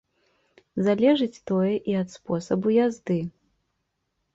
Залежыць тое і ад спосабу язды.